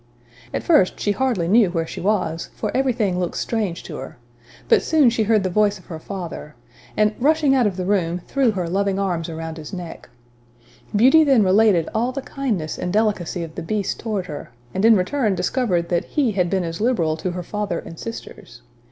At first she hardly knew where she was, for everything looked strange to her; but soon she heard the voice of her father, and, rushing out of the room, threw her loving arms around his neck. Beauty then related all the kindness and delicacy of the Beast toward her, and in return discovered that he had been as liberal to her father and sisters.